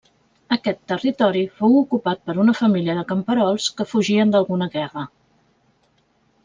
Aquest territori fou ocupat per una família de camperols que fugien d'alguna guerra.